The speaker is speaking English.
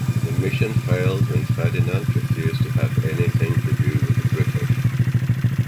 The mission failed when Ferdinand refused to have anything to do with the British.